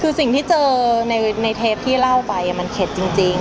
คือสิ่งที่เจอในเทปที่เล่าไปมันเข็ดจริง